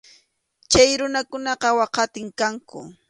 Chay runakunaqa waqatim kanku.